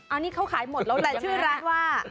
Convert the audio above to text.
อันนี้เขาขายหมดแล้วแหละชื่อร้านว่า